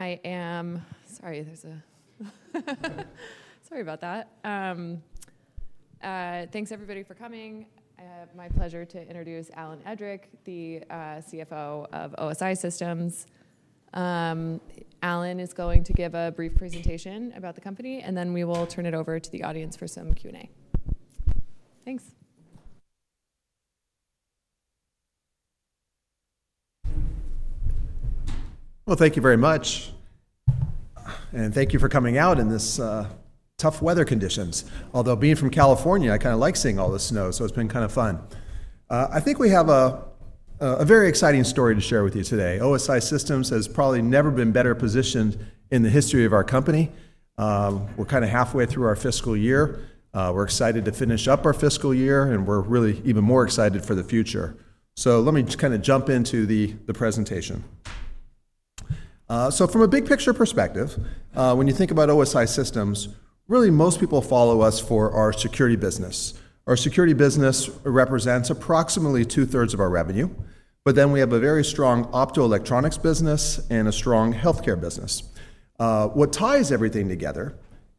Sorry about that. Thanks, everybody, for coming. My pleasure to introduce Alan Edrick, the CFO of OSI Systems. Alan is going to give a brief presentation about the company, and then we will turn it over to the audience for some Q&A. Thanks. Well, thank you very much. And thank you for coming out in these tough weather conditions. Although, being from California, I kind of like seeing all the snow, so it's been kind of fun. I think we have a very exciting story to share with you today. OSI Systems has probably never been better positioned in the history of our company. We're kind of halfway through our fiscal year. We're excited to finish up our fiscal year, and we're really even more excited for the future. So let me just kind of jump into the presentation. So from a big-picture perspective, when you think about OSI Systems, really most people follow us for our security business. Our security business represents approximately two-thirds of our revenue, but then we have a very strong optoelectronics business and a strong healthcare business. What ties everything together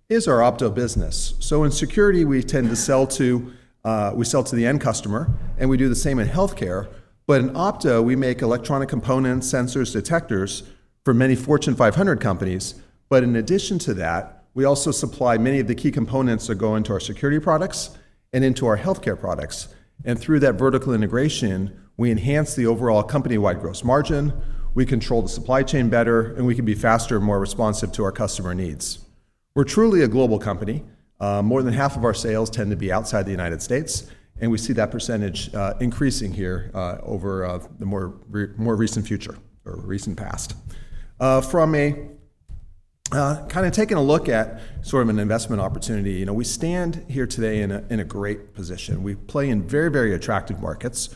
is our opto business. In security, we tend to sell to the end customer, and we do the same in healthcare. In opto, we make electronic components, sensors, detectors for many Fortune 500 companies. In addition to that, we also supply many of the key components that go into our security products and into our healthcare products. Through that vertical integration, we enhance the overall company-wide gross margin, we control the supply chain better, and we can be faster and more responsive to our customer needs. We're truly a global company. More than half of our sales tend to be outside the United States, and we see that percentage increasing here over the more recent future or recent past. From a kind of taking a look at sort of an investment opportunity, we stand here today in a great position. We play in very, very attractive markets.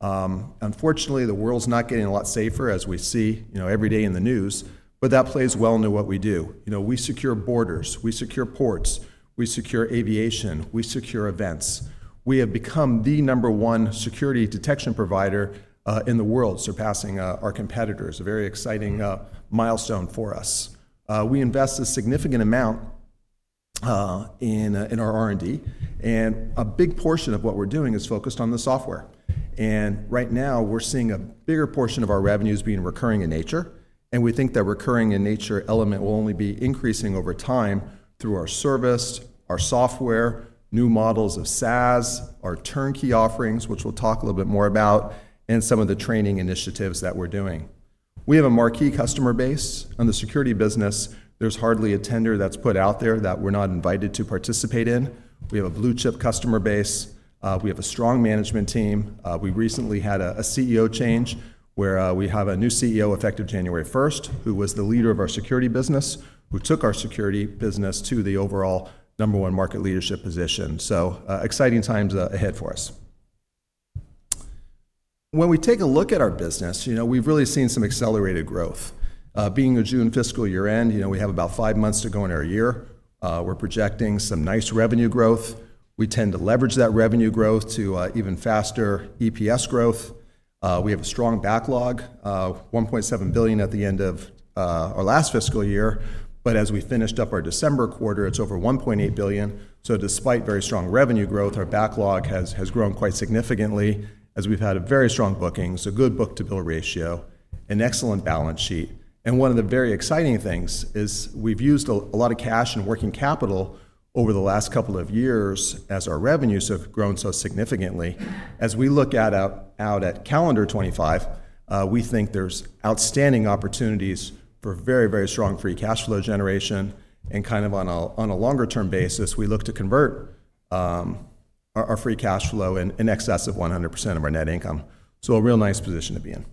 Unfortunately, the world's not getting a lot safer, as we see every day in the news, but that plays well into what we do. We secure borders, we secure ports, we secure aviation, we secure events. We have become the number one security detection provider in the world, surpassing our competitors. A very exciting milestone for us. We invest a significant amount in our R&D, and a big portion of what we're doing is focused on the software. And right now, we're seeing a bigger portion of our revenues being recurring in nature, and we think that recurring in nature element will only be increasing over time through our service, our software, new models of SaaS, our turnkey offerings, which we'll talk a little bit more about, and some of the training initiatives that we're doing. We have a marquee customer base. On the security business, there's hardly a tender that's put out there that we're not invited to participate in. We have a blue-chip customer base. We have a strong management team. We recently had a CEO change where we have a new CEO effective January 1st, who was the leader of our security business, who took our security business to the overall number one market leadership position. So exciting times ahead for us. When we take a look at our business, we've really seen some accelerated growth. Being a June fiscal year end, we have about five months to go in our year. We're projecting some nice revenue growth. We tend to leverage that revenue growth to even faster EPS growth. We have a strong backlog, $1.7 billion at the end of our last fiscal year, but as we finished up our December quarter, it's over $1.8 billion. So despite very strong revenue growth, our backlog has grown quite significantly as we've had a very strong booking, so good book-to-bill ratio, an excellent balance sheet. And one of the very exciting things is we've used a lot of cash and working capital over the last couple of years as our revenues have grown so significantly. As we look out at calendar 2025, we think there's outstanding opportunities for very, very strong free cash flow generation. And kind of on a longer-term basis, we look to convert our free cash flow in excess of 100% of our net income. So a real nice position to be in.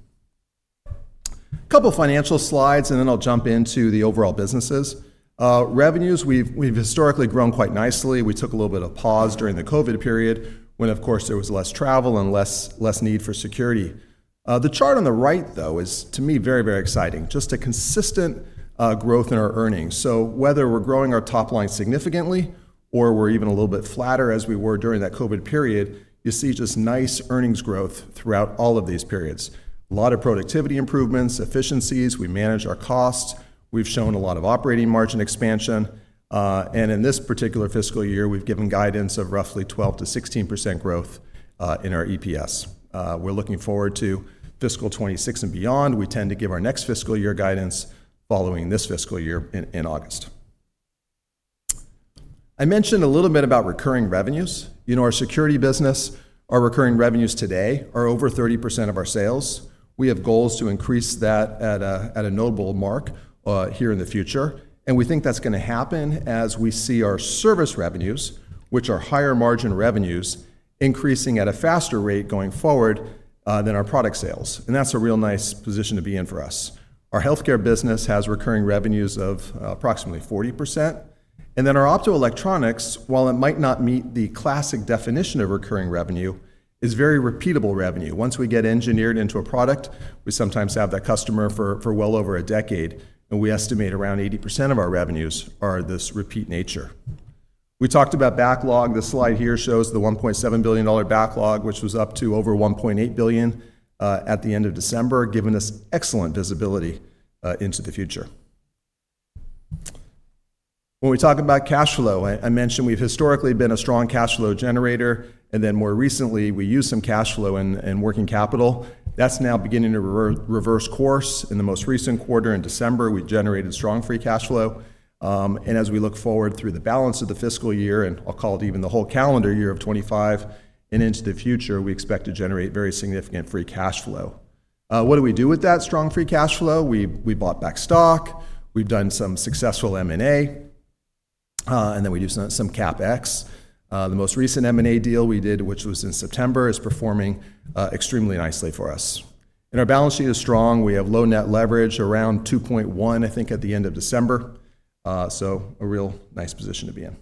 Couple of financial slides, and then I'll jump into the overall businesses. Revenues, we've historically grown quite nicely. We took a little bit of a pause during the COVID period when, of course, there was less travel and less need for security. The chart on the right, though, is, to me, very, very exciting, just a consistent growth in our earnings. So whether we're growing our top line significantly or we're even a little bit flatter as we were during that COVID period, you see just nice earnings growth throughout all of these periods. A lot of productivity improvements, efficiencies. We manage our costs. We've shown a lot of operating margin expansion, and in this particular fiscal year, we've given guidance of roughly 12% to 16% growth in our EPS. We're looking forward to fiscal 2026 and beyond. We tend to give our next fiscal year guidance following this fiscal year in August. I mentioned a little bit about recurring revenues. In our security business, our recurring revenues today are over 30% of our sales. We have goals to increase that at a notable mark here in the future. We think that's going to happen as we see our service revenues, which are higher margin revenues, increasing at a faster rate going forward than our product sales. That's a real nice position to be in for us. Our healthcare business has recurring revenues of approximately 40%. Our optoelectronics, while it might not meet the classic definition of recurring revenue, is very repeatable revenue. Once we get engineered into a product, we sometimes have that customer for well over a decade, and we estimate around 80% of our revenues are this repeat nature. We talked about backlog. The slide here shows the $1.7 billion backlog, which was up to over $1.8 billion at the end of December, giving us excellent visibility into the future. When we talk about cash flow, I mentioned we've historically been a strong cash flow generator, and then more recently, we used some cash flow and working capital. That's now beginning to reverse course. In the most recent quarter, in December, we generated strong free cash flow. And as we look forward through the balance of the fiscal year, and I'll call it even the whole calendar year of 2025, and into the future, we expect to generate very significant free cash flow. What do we do with that strong free cash flow? We bought back stock. We've done some successful M&A, and then we do some CapEx. The most recent M&A deal we did, which was in September, is performing extremely nicely for us. And our balance sheet is strong. We have low net leverage, around 2.1, I think, at the end of December. So a real nice position to be in.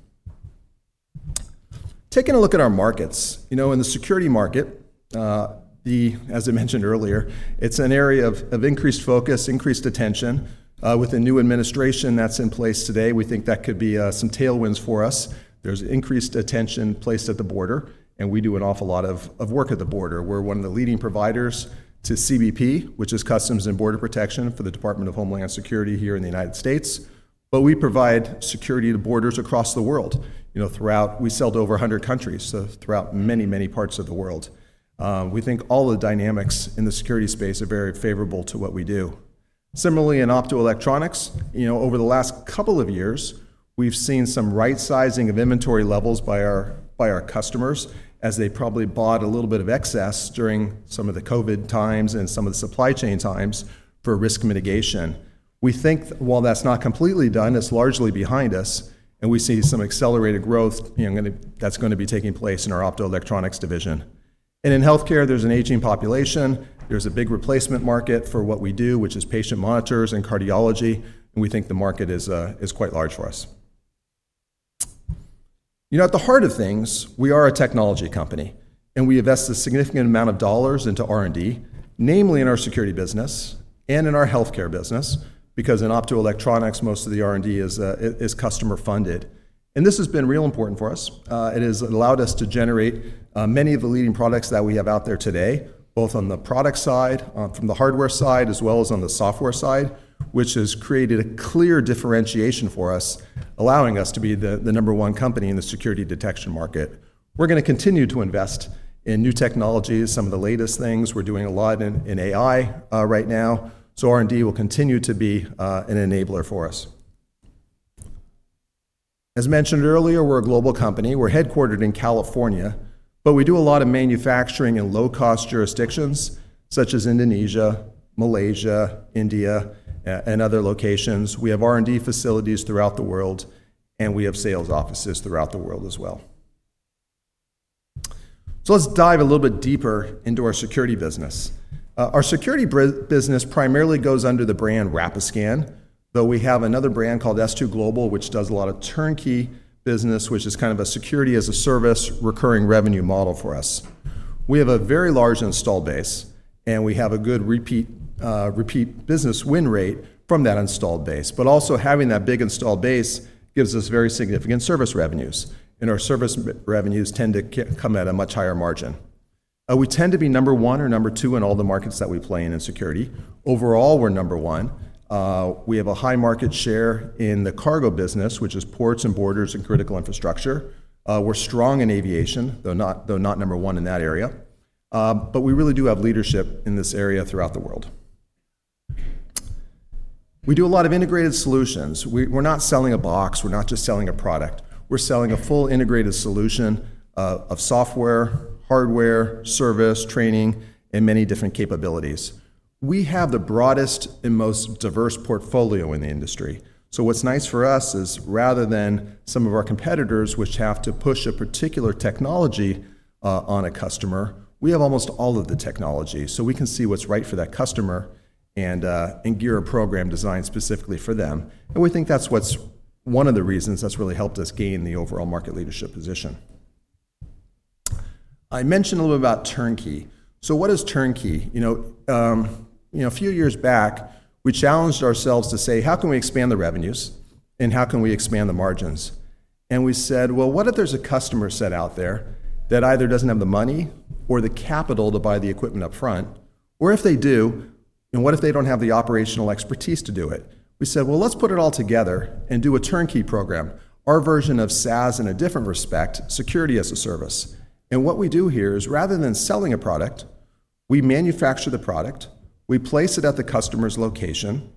Taking a look at our markets, in the security market, as I mentioned earlier, it's an area of increased focus, increased attention. With the new administration that's in place today, we think that could be some tailwinds for us. There's increased attention placed at the border, and we do an awful lot of work at the border. We're one of the leading providers to CBP, which is Customs and Border Protection for the Department of Homeland Security here in the United States. But we provide security to borders across the world. We sell to over 100 countries, so throughout many, many parts of the world. We think all the dynamics in the security space are very favorable to what we do. Similarly, in optoelectronics, over the last couple of years, we've seen some right-sizing of inventory levels by our customers as they probably bought a little bit of excess during some of the COVID times and some of the supply chain times for risk mitigation. We think, while that's not completely done, it's largely behind us, and we see some accelerated growth that's going to be taking place in our Optoelectronics division, and in Healthcare, there's an aging population. There's a big replacement market for what we do, which is patient monitors and cardiology, and we think the market is quite large for us. At the heart of things, we are a technology company, and we invest a significant amount of dollars into R&D, namely in our Security business and in our Healthcare business, because in optoelectronics, most of the R&D is customer-funded, and this has been real important for us. It has allowed us to generate many of the leading products that we have out there today, both on the product side, from the hardware side, as well as on the software side, which has created a clear differentiation for us, allowing us to be the number one company in the security detection market. We're going to continue to invest in new technologies, some of the latest things. We're doing a lot in AI right now. So R&D will continue to be an enabler for us. As mentioned earlier, we're a global company. We're headquartered in California, but we do a lot of manufacturing in low-cost jurisdictions such as Indonesia, Malaysia, India, and other locations. We have R&D facilities throughout the world, and we have sales offices throughout the world as well. So let's dive a little bit deeper into our security business. Our security business primarily goes under the brand Rapiscan, though we have another brand called S2 Global, which does a lot of turnkey business, which is kind of a security-as-a-service recurring revenue model for us. We have a very large installed base, and we have a good repeat business win rate from that installed base. But also having that big installed base gives us very significant service revenues, and our service revenues tend to come at a much higher margin. We tend to be number one or number two in all the markets that we play in in security. Overall, we're number one. We have a high market share in the cargo business, which is ports and borders and critical infrastructure. We're strong in aviation, though not number one in that area. But we really do have leadership in this area throughout the world. We do a lot of integrated solutions. We're not selling a box. We're not just selling a product. We're selling a full integrated solution of software, hardware, service, training, and many different capabilities. We have the broadest and most diverse portfolio in the industry, so what's nice for us is, rather than some of our competitors, which have to push a particular technology on a customer, we have almost all of the technology, so we can see what's right for that customer and gear a program designed specifically for them, and we think that's one of the reasons that's really helped us gain the overall market leadership position. I mentioned a little bit about turnkey, so what is turnkey? A few years back, we challenged ourselves to say, how can we expand the revenues and how can we expand the margins? We said, well, what if there's a customer set out there that either doesn't have the money or the capital to buy the equipment upfront? Or if they do, and what if they don't have the operational expertise to do it? We said, well, let's put it all together and do a turnkey program, our version of SaaS in a different respect, security as a service. What we do here is, rather than selling a product, we manufacture the product, we place it at the customer's location,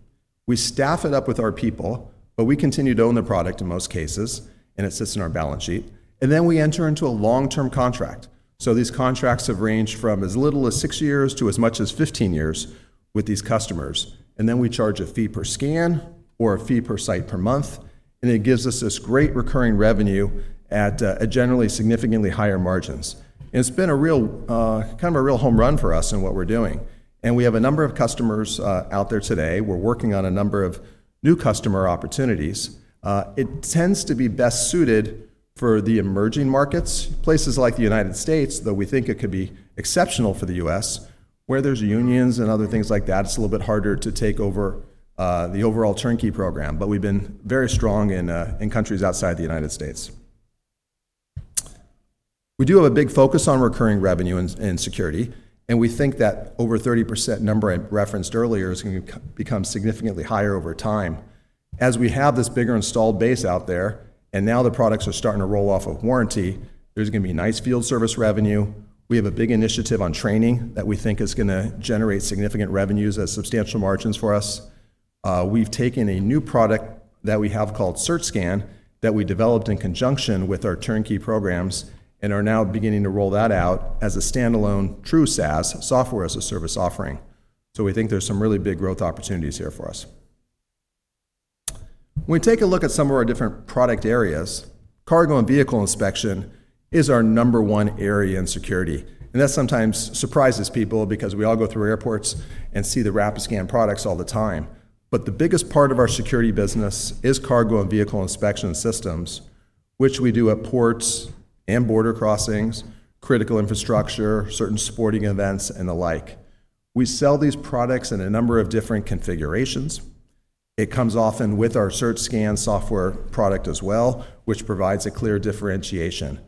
we staff it up with our people, but we continue to own the product in most cases, and it sits in our balance sheet. Then we enter into a long-term contract. These contracts have ranged from as little as six years to as much as 15 years with these customers. And then we charge a fee per scan or a fee per site per month, and it gives us this great recurring revenue at generally significantly higher margins. And it's been kind of a real home run for us in what we're doing. And we have a number of customers out there today. We're working on a number of new customer opportunities. It tends to be best suited for the emerging markets, places like the United States, though we think it could be exceptional for the U.S., where there's unions and other things like that, it's a little bit harder to take over the overall turnkey program, but we've been very strong in countries outside the United States. We do have a big focus on recurring revenue in security, and we think that over 30% number I referenced earlier is going to become significantly higher over time. As we have this bigger installed base out there, and now the products are starting to roll off of warranty, there's going to be nice field service revenue. We have a big initiative on training that we think is going to generate significant revenues as substantial margins for us. We've taken a new product that we have called Search Scan that we developed in conjunction with our turnkey programs and are now beginning to roll that out as a standalone true SaaS software as a service offering. So we think there's some really big growth opportunities here for us. When we take a look at some of our different product areas, cargo and vehicle inspection is our number one area in security. And that sometimes surprises people because we all go through airports and see the Rapiscan products all the time. But the biggest part of our security business is cargo and vehicle inspection systems, which we do at ports and border crossings, critical infrastructure, certain sporting events, and the like. We sell these products in a number of different configurations. It comes often with our Search Scan software product as well, which provides a clear differentiation.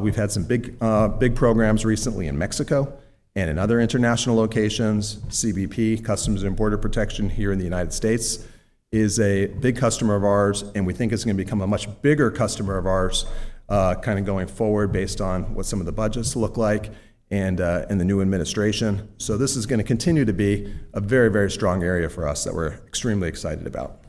We've had some big programs recently in Mexico and in other international locations. CBP, Customs and Border Protection here in the United States, is a big customer of ours, and we think it's going to become a much bigger customer of ours kind of going forward based on what some of the budgets look like and the new administration. So this is going to continue to be a very, very strong area for us that we're extremely excited about.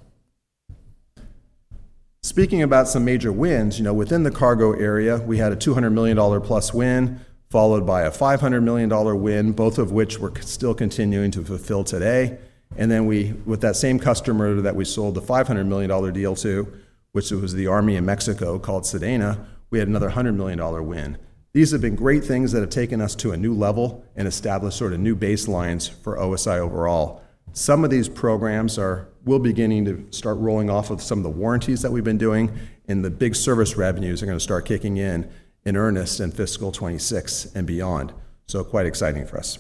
Speaking about some major wins, within the cargo area, we had a $200 million plus win followed by a $500 million win, both of which we're still continuing to fulfill today. And then with that same customer that we sold the $500 million deal to, which was the army in Mexico called SEDENA, we had another $100 million win. These have been great things that have taken us to a new level and established sort of new baselines for OSI overall. Some of these programs will begin to start rolling off of some of the warranties that we've been doing, and the big service revenues are going to start kicking in in earnest in fiscal 2026 and beyond. So quite exciting for us.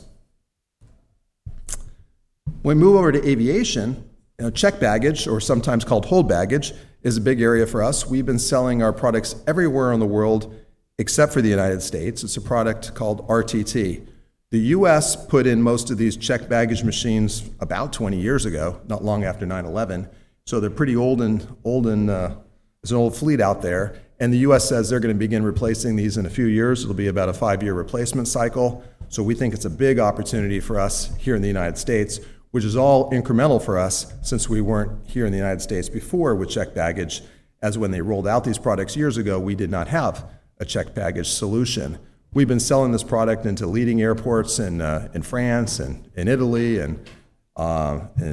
When we move over to aviation, checked baggage, or sometimes called hold baggage, is a big area for us. We've been selling our products everywhere in the world except for the United States. It's a product called RTT. The U.S. put in most of these checked baggage machines about 20 years ago, not long after 9/11, so they're pretty old and there's an old fleet out there. And the U.S. says they're going to begin replacing these in a few years. It'll be about a five-year replacement cycle, so we think it's a big opportunity for us here in the United States, which is all incremental for us since we weren't here in the United States before with checked baggage. As when they rolled out these products years ago, we did not have a checked baggage solution. We've been selling this product into leading airports in France and in Italy and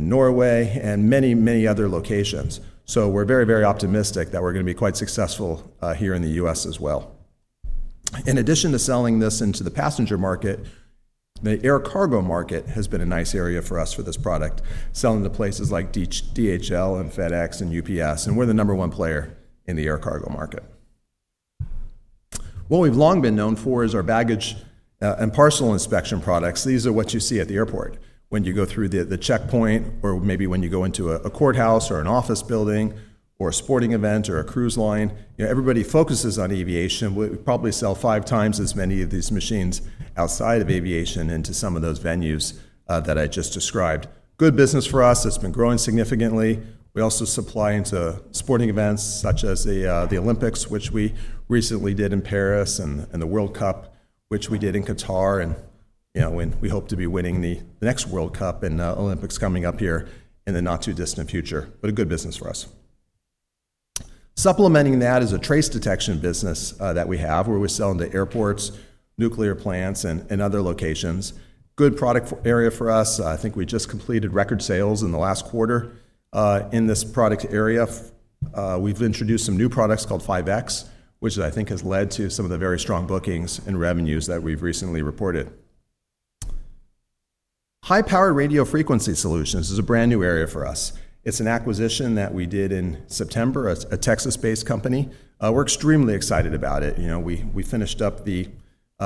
Norway and many, many other locations. So we're very, very optimistic that we're going to be quite successful here in the U.S. as well. In addition to selling this into the passenger market, the air cargo market has been a nice area for us for this product, selling to places like DHL and FedEx and UPS. And we're the number one player in the air cargo market. What we've long been known for is our baggage and parcel inspection products. These are what you see at the airport when you go through the checkpoint or maybe when you go into a courthouse or an office building or a sporting event or a cruise line. Everybody focuses on aviation. We probably sell five times as many of these machines outside of aviation into some of those venues that I just described. Good business for us. It's been growing significantly. We also supply into sporting events such as the Olympics, which we recently did in Paris, and the World Cup, which we did in Qatar, and we hope to be winning the next World Cup and Olympics coming up here in the not-too-distant future. But a good business for us. Supplementing that is a trace detection business that we have, where we sell into airports, nuclear plants, and other locations. Good product area for us. I think we just completed record sales in the last quarter in this product area. We've introduced some new products called 5X, which I think has led to some of the very strong bookings and revenues that we've recently reported. High-powered radio frequency solutions is a brand new area for us. It's an acquisition that we did in September, a Texas-based company. We're extremely excited about it. We finished up the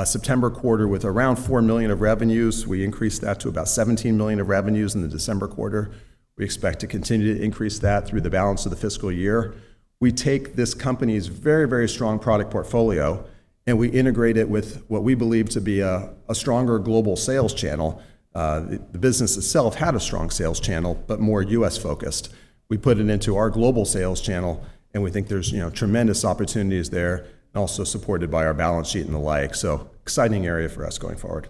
September quarter with around $4 million of revenues. We increased that to about $17 million of revenues in the December quarter. We expect to continue to increase that through the balance of the fiscal year. We take this company's very, very strong product portfolio, and we integrate it with what we believe to be a stronger global sales channel. The business itself had a strong sales channel, but more U.S. focused. We put it into our global sales channel, and we think there's tremendous opportunities there, also supported by our balance sheet and the like. So exciting area for us going forward.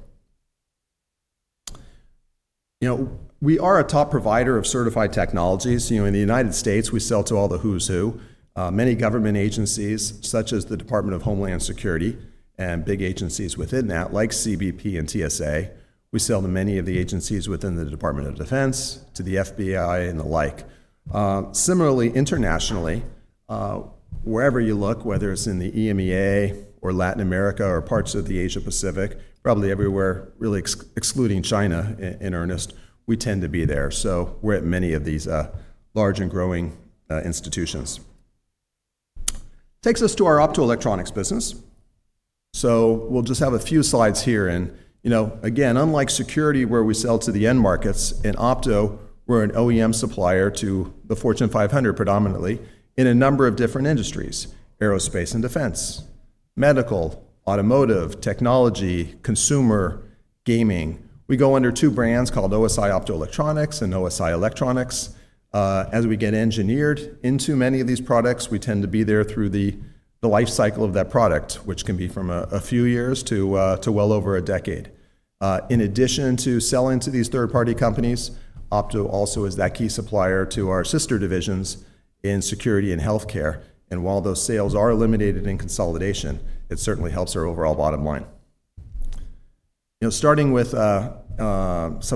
We are a top provider of certified technologies. In the United States, we sell to all the who's who. Many government agencies, such as the Department of Homeland Security and big agencies within that, like CBP and TSA. We sell to many of the agencies within the Department of Defense, to the FBI, and the like. Similarly, internationally, wherever you look, whether it's in the EMEA or Latin America or parts of the Asia-Pacific, probably everywhere, really excluding China in earnest, we tend to be there. So we're at many of these large and growing institutions. Takes us to our optoelectronics business. So we'll just have a few slides here. And again, unlike security, where we sell to the end markets, in opto, we're an OEM supplier to the Fortune 500 predominantly in a number of different industries: aerospace and defense, medical, automotive, technology, consumer, gaming. We go under two brands called OSI Optoelectronics and OSI Electronics. As we get engineered into many of these products, we tend to be there through the life cycle of that product, which can be from a few years to well over a decade. In addition to selling to these third-party companies, opto also is that key supplier to our sister divisions in security and healthcare. And while those sales are eliminated in consolidation, it certainly helps our overall bottom line. Starting with some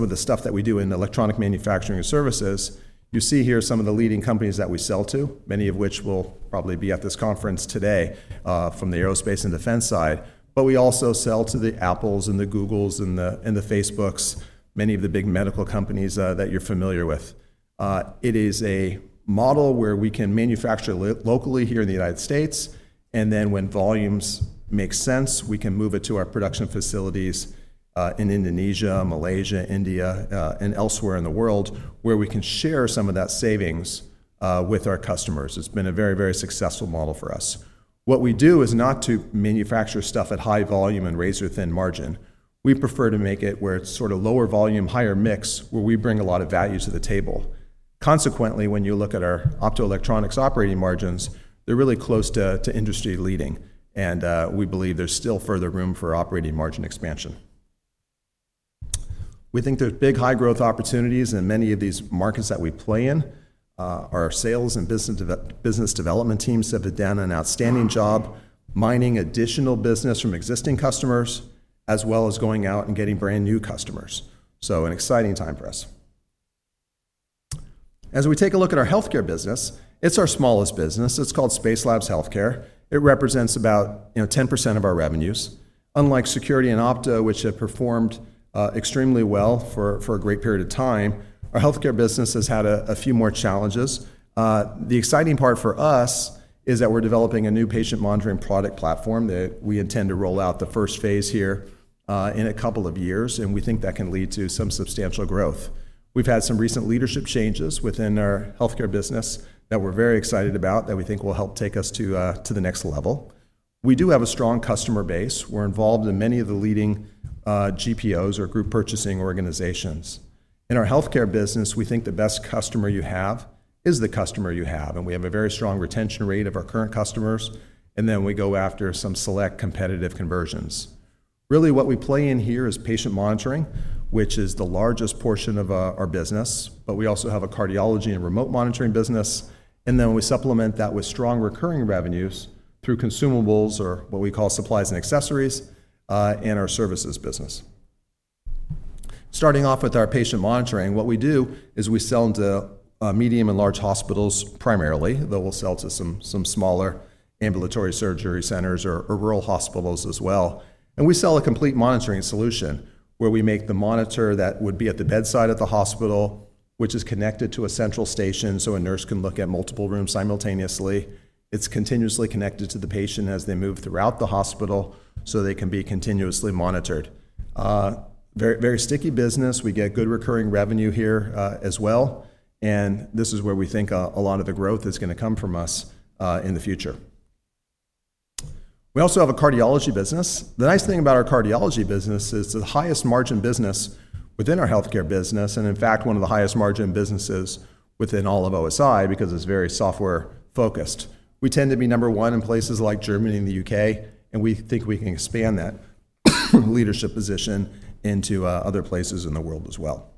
of the stuff that we do in electronic manufacturing and services, you see here some of the leading companies that we sell to, many of which will probably be at this conference today from the aerospace and defense side. But we also sell to the Apples and the Googles and the Facebooks, many of the big medical companies that you're familiar with. It is a model where we can manufacture locally here in the United States, and then when volumes make sense, we can move it to our production facilities in Indonesia, Malaysia, India, and elsewhere in the world where we can share some of that savings with our customers. It's been a very, very successful model for us. What we do is not to manufacture stuff at high volume and razor-thin margin. We prefer to make it where it's sort of lower volume, higher mix, where we bring a lot of value to the table. Consequently, when you look at our optoelectronics operating margins, they're really close to industry leading, and we believe there's still further room for operating margin expansion. We think there's big high-growth opportunities in many of these markets that we play in. Our sales and business development teams have done an outstanding job mining additional business from existing customers, as well as going out and getting brand new customers, so an exciting time for us. As we take a look at our healthcare business, it's our smallest business. It's called Spacelabs Healthcare. It represents about 10% of our revenues. Unlike security and opto, which have performed extremely well for a great period of time, our healthcare business has had a few more challenges. The exciting part for us is that we're developing a new patient monitoring product platform that we intend to roll out the first phase here in a couple of years, and we think that can lead to some substantial growth. We've had some recent leadership changes within our healthcare business that we're very excited about that we think will help take us to the next level. We do have a strong customer base. We're involved in many of the leading GPOs or group purchasing organizations. In our healthcare business, we think the best customer you have is the customer you have, and we have a very strong retention rate of our current customers, and then we go after some select competitive conversions. Really, what we play in here is patient monitoring, which is the largest portion of our business, but we also have a cardiology and remote monitoring business, and then we supplement that with strong recurring revenues through consumables or what we call supplies and accessories in our services business. Starting off with our patient monitoring, what we do is we sell into medium and large hospitals primarily, though we'll sell to some smaller ambulatory surgery centers or rural hospitals as well. And we sell a complete monitoring solution where we make the monitor that would be at the bedside at the hospital, which is connected to a central station so a nurse can look at multiple rooms simultaneously. It's continuously connected to the patient as they move throughout the hospital so they can be continuously monitored. Very sticky business. We get good recurring revenue here as well, and this is where we think a lot of the growth is going to come from us in the future. We also have a cardiology business. The nice thing about our cardiology business is the highest margin business within our healthcare business, and in fact, one of the highest margin businesses within all of OSI because it's very software-focused. We tend to be number one in places like Germany and the U.K., and we think we can expand that leadership position into other places in the world as well.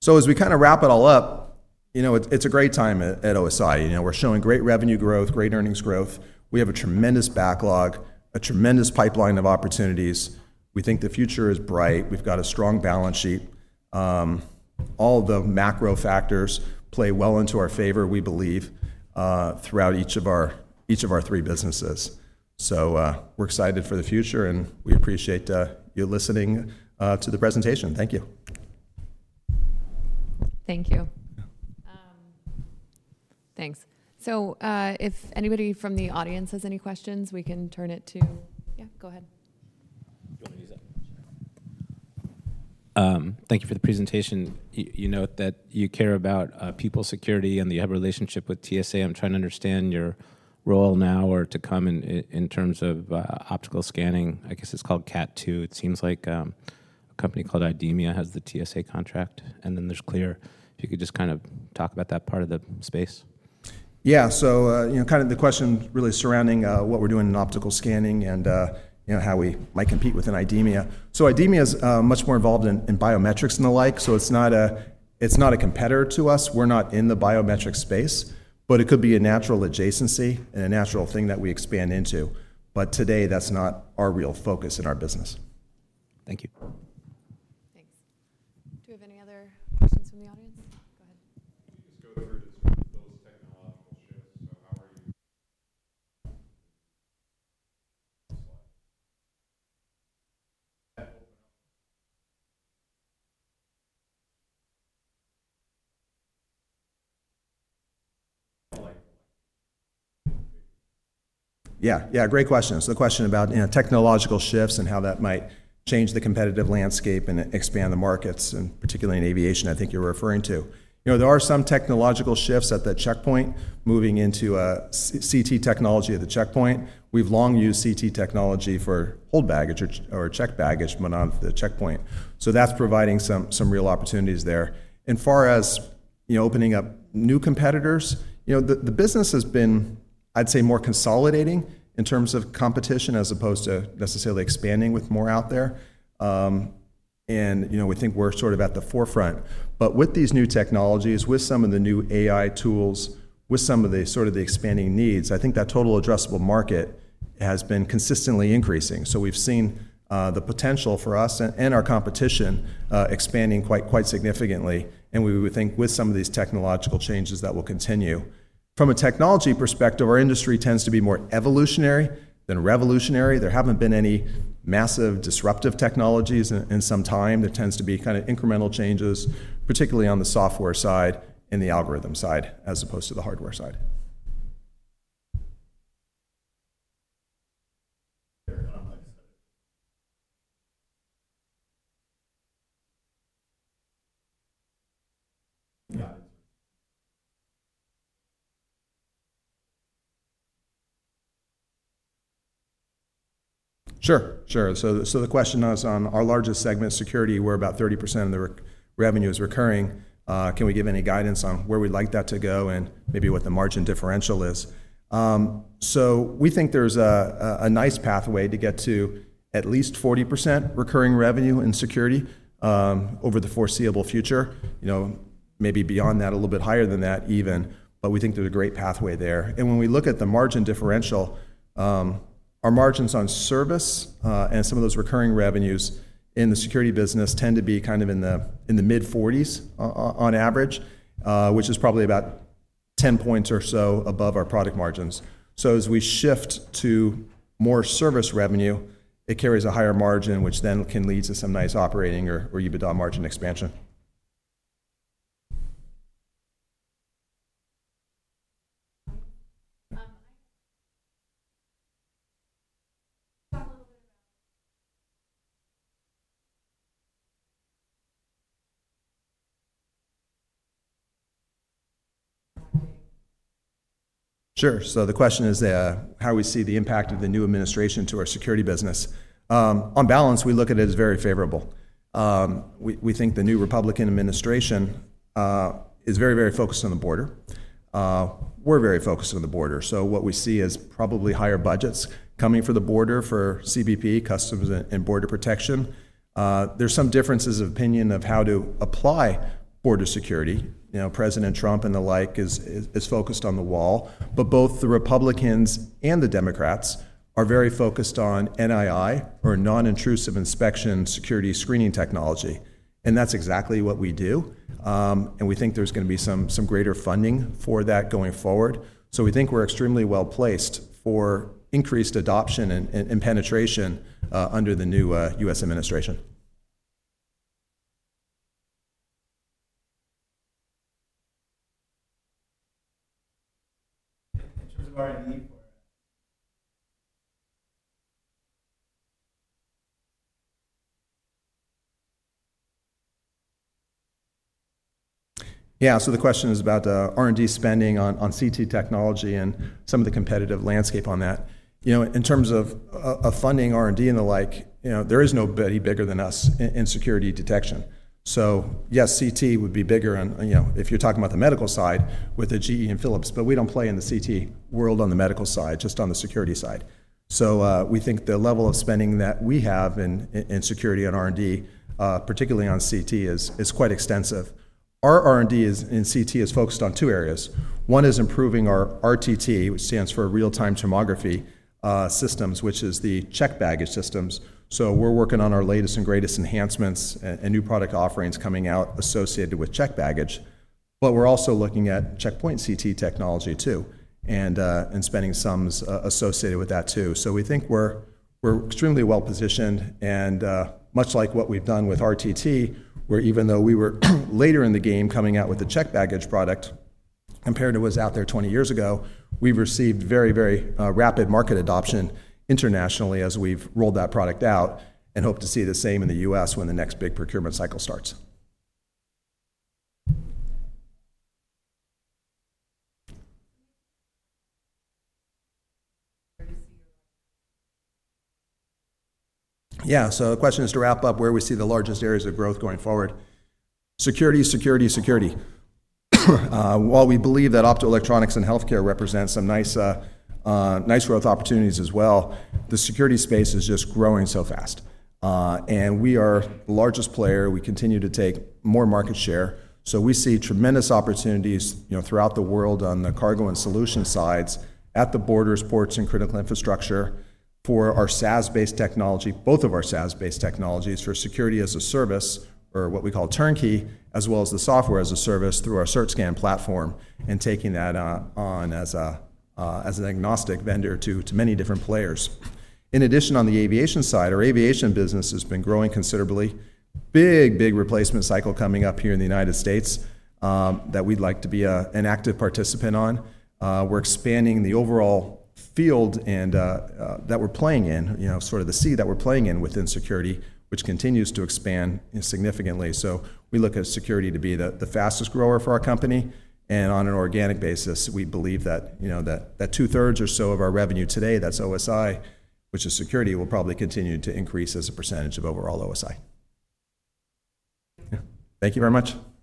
So as we kind of wrap it all up, it's a great time at OSI. We're showing great revenue growth, great earnings growth. We have a tremendous backlog, a tremendous pipeline of opportunities. We think the future is bright. We've got a strong balance sheet. All the macro factors play well into our favor, we believe, throughout each of our three businesses. So we're excited for the future, and we appreciate you listening to the presentation. Thank you. Thank you. Thanks. So if anybody from the audience has any questions, we can turn it to, yeah, go ahead. Thank you for the presentation. You note that you care about people security and that you have a relationship with TSA. I'm trying to understand your role now or to come in terms of optical scanning. I guess it's called Cat 2. It seems like a company called IDEMIA has the TSA contract. And then there's CLEAR. If you could just kind of talk about that part of the space. Yeah. So kind of the question really surrounding what we're doing in optical scanning and how we might compete within Idemia. So Idemia is much more involved in biometrics and the like, so it's not a competitor to us. We're not in the biometric space, but it could be a natural adjacency and a natural thing that we expand into. But today, that's not our real focus in our business. Thank you. Thanks. Do we have any other questions from the audience? Go ahead. Just go through those technological shifts. So how are you? Yeah, yeah, great question. So the question about technological shifts and how that might change the competitive landscape and expand the markets, and particularly in aviation, I think you're referring to. There are some technological shifts at the checkpoint moving into CT technology at the checkpoint. We've long used CT technology for hold baggage or checked baggage when on the checkpoint. So that's providing some real opportunities there. As far as opening up new competitors, the business has been, I'd say, more consolidating in terms of competition as opposed to necessarily expanding with more out there. And we think we're sort of at the forefront. But with these new technologies, with some of the new AI tools, with some of the sort of expanding needs, I think that total addressable market has been consistently increasing. So we've seen the potential for us and our competition expanding quite significantly, and we would think with some of these technological changes that will continue. From a technology perspective, our industry tends to be more evolutionary than revolutionary. There haven't been any massive disruptive technologies in some time. There tends to be kind of incremental changes, particularly on the software side and the algorithm side as opposed to the hardware side. Sure, sure. So the question is on our largest segment, security, where about 30% of the revenue is recurring. Can we give any guidance on where we'd like that to go and maybe what the margin differential is? So we think there's a nice pathway to get to at least 40% recurring revenue in security over the foreseeable future, maybe beyond that, a little bit higher than that even, but we think there's a great pathway there. When we look at the margin differential, our margins on service and some of those recurring revenues in the security business tend to be kind of in the mid-40s on average, which is probably about 10 points or so above our product margins. So as we shift to more service revenue, it carries a higher margin, which then can lead to some nice operating or EBITDA margin expansion. Sure. The question is how we see the impact of the new administration to our security business. On balance, we look at it as very favorable. We think the new Republican administration is very, very focused on the border. We're very focused on the border. What we see is probably higher budgets coming for the border for CBP, customs, and border protection. There's some differences of opinion of how to apply border security. President Trump and the like is focused on the wall, but both the Republicans and the Democrats are very focused on NII or non-intrusive inspection security screening technology, and that's exactly what we do, and we think there's going to be some greater funding for that going forward, so we think we're extremely well placed for increased adoption and penetration under the new U.S. administration. Yeah, so the question is about R&D spending on CT technology and some of the competitive landscape on that. In terms of funding R&D and the like, there is nobody bigger than us in security detection, so yes, CT would be bigger if you're talking about the medical side with a GE and Philips, but we don't play in the CT world on the medical side, just on the security side. We think the level of spending that we have in security and R&D, particularly on CT, is quite extensive. Our R&D in CT is focused on two areas. One is improving our RTT, which stands for real-time tomography systems, which is the check baggage systems. We're working on our latest and greatest enhancements and new product offerings coming out associated with check baggage. We're also looking at checkpoint CT technology too and spending sums associated with that too. So we think we're extremely well positioned, and much like what we've done with RTT, where even though we were later in the game coming out with a checked baggage product compared to what was out there 20 years ago, we've received very, very rapid market adoption internationally as we've rolled that product out and hope to see the same in the U.S. when the next big procurement cycle starts. Yeah. So the question is to wrap up where we see the largest areas of growth going forward. Security, security, security. While we believe that optoelectronics and healthcare represent some nice growth opportunities as well, the security space is just growing so fast. And we are the largest player. We continue to take more market share. So we see tremendous opportunities throughout the world on the cargo and solution sides at the borders, ports, and critical infrastructure for our SaaS-based technology, both of our SaaS-based technologies for Security-as-a -Service or what we call turnkey, as well as the Software-as-a-Service through our search scan platform and taking that on as an agnostic vendor to many different players. In addition, on the aviation side, our aviation business has been growing considerably. Big, big replacement cycle coming up here in the United States that we'd like to be an active participant on. We're expanding the overall field that we're playing in, sort of the sea that we're playing in within security, which continues to expand significantly. So we look at security to be the fastest grower for our company. On an organic basis, we believe that two-thirds or so of our revenue today, that's OSI, which is security, will probably continue to increase as a percentage of overall OSI. Thank you very much.